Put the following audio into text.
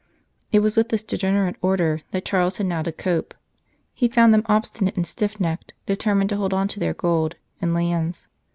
It was with this degenerate Order that Charles had now to cope. He found them obstinate and stiff necked, determined to hold on to their gold 83 St. Charles Borromeo and lands.